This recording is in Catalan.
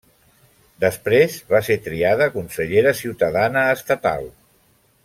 Després, va ser triada consellera ciutadana estatal.